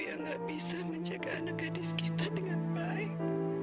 tidak bisa menjaga anak gadis kita dengan baik